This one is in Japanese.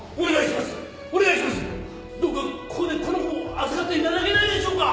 どうかここでこの子を預かって頂けないでしょうか！